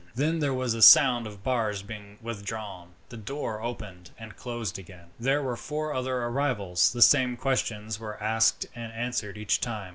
Then there was a sound of bars being withdrawn, and the door opened and closed again. There were four other arrivals. The same questions were asked and answered each time.